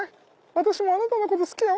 私もあなたのこと好きよ」。